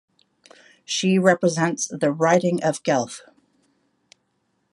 She represents the riding of Guelph.